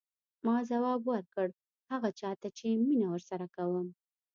ما ځواب ورکړ هغه چا ته چې مینه ورسره کوم.